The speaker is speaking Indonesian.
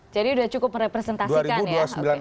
jadi sudah cukup merepresentasikan ya